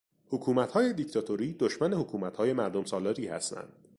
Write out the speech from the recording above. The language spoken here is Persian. حکومتهای دیکتاتوری دشمن حکومتهای مردم سالاری هستند.